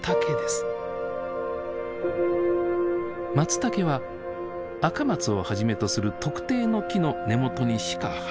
マツタケはアカマツをはじめとする特定の木の根元にしか生えません。